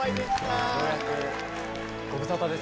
ご無沙汰です